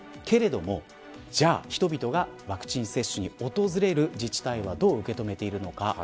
けれども人々がワクチン接種に訪れる自治体はどう受け止めているのか。